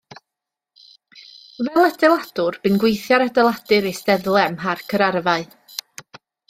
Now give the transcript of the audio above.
Fel adeiladwr bu'n gweithio ar adeiladu'r eisteddle ym Mharc yr Arfau.